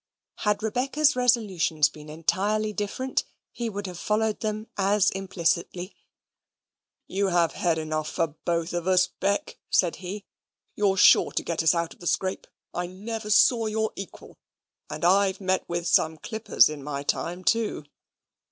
Had Rebecca's resolutions been entirely different, he would have followed them as implicitly. "You have head enough for both of us, Beck," said he. "You're sure to get us out of the scrape. I never saw your equal, and I've met with some clippers in my time too."